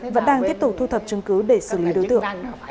vẫn đang tiếp tục thu thập chứng cứ để xử lý đối tượng